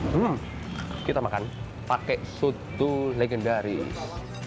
hmm kita makan pakai soto legendaris